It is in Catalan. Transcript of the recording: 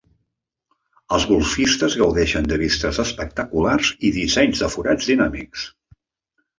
Els golfistes gaudeixen de vistes espectaculars i dissenys de forats dinàmics.